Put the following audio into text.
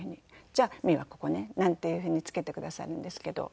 じゃあミーはここね」なんていうふうに付けてくださるんですけど。